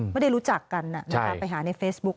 ไม่ได้รู้จักกันไปหาในเฟซบุ๊ค